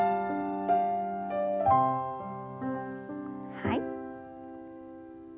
はい。